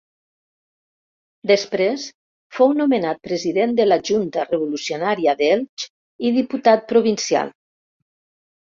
Després fou nomenat president de la Junta Revolucionària d'Elx i diputat provincial.